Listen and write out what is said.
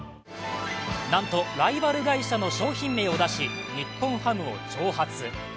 なんとライバル会社の商品名を出し日本ハムを挑発。